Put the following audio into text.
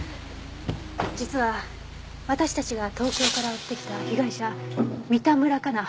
実は私たちが東京から追ってきた被害者三田村加奈